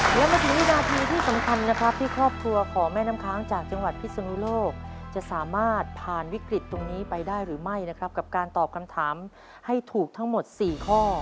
และมาถึงวินาทีที่สำคัญนะครับที่ครอบครัวของแม่น้ำค้างจากจังหวัดพิศนุโลกจะสามารถผ่านวิกฤตตรงนี้ไปได้หรือไม่นะครับกับการตอบคำถามให้ถูกทั้งหมด๔ข้อ